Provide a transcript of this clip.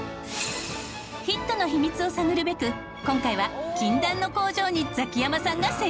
ヒットの秘密を探るべく今回は禁断の工場にザキヤマさんが潜入！